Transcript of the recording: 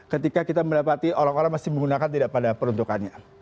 ketika kita mendapati orang orang masih menggunakan tidak pada peruntukannya